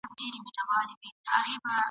چي نن ولویږي له تخته سبا ګوري ..